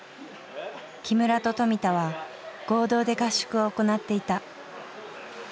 木村と富田は合同で合宿を行っていた。